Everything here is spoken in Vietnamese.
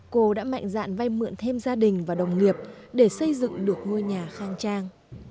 cô đã mạnh dạn vay mượn thêm gia đình và đồng nghiệp để xây dựng được ngôi nhà khang trang